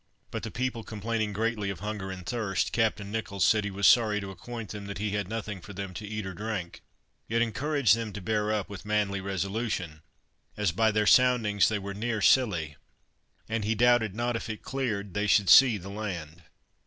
But the people complaining greatly of hunger and thirst, Captain Nicholls said he was sorry to acquaint them that he had nothing for them to eat or drink, yet encouraged them to bear up with manly resolution, as by their soundings they were near Scilly, and he doubted not, if it cleared, that they should see the land.